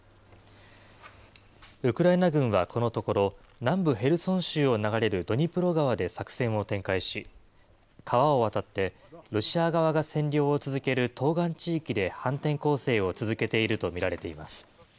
ウクライナ軍はこのところ、南部ヘルソン州を流れるドニプロ川で作戦を展開し、川を渡ってロシア側が占領を続ける東岸地域で反転攻勢を続けていると見られています。